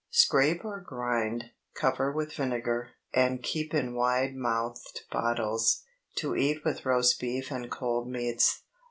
Scrape or grind, cover with vinegar, and keep in wide mouthed bottles. To eat with roast beef and cold meats.